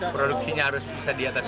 produksinya harus bisa berjalan